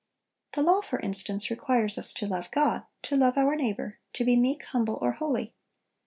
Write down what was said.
The law, for instance, requires us to love God, to love our neighbor, to be meek, humble, or holy.